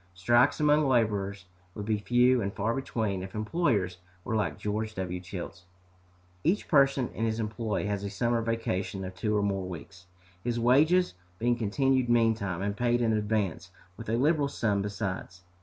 Strikes among laborers would be few and far between if employers were like George W. Childs. Each person in his employ has a summer vacation of two or more weeks, his wages being continued meantime, and paid in advance, with a liberal sum besides.